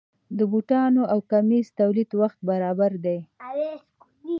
د بوټانو او کمیس د تولید وخت برابر دی.